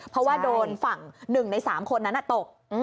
เพราะว่าโดนฝั่ง๑ใน๓คนนั้นตก